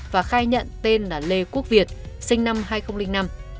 và khai nhận tên là lê quốc việt sinh năm hai nghìn năm